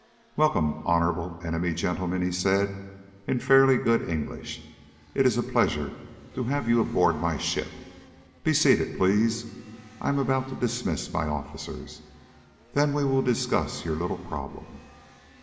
"Welcome, Honorable Enemy Gentlemen," he said in fairly good English. "It is a pleasure to have you aboard my ship. Be seated, please. I am about to dismiss my officers. Then we will discuss your little problem."